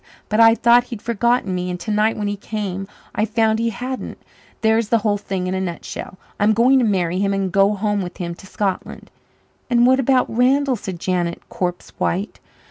But I thought he'd forgotten me. And tonight when he came I found he hadn't. There's the whole thing in a nutshell. I'm going to marry him and go home with him to Scotland." "And what about Randall?" said Janet, corpse white.